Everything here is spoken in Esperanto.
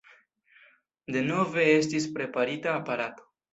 Denove estis preparita aparato.